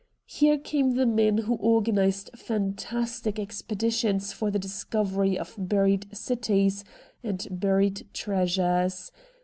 Here came the men who organised faatastic expeditions for the discovery of buried cities and buried treasures.